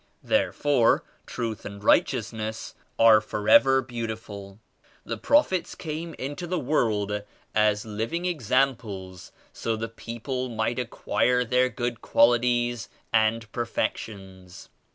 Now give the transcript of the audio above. There fore Truth and Righteousness are forever beau tiful. The Prophets came into the world as liv ing examples so the people might acquire their good qualities and perfections.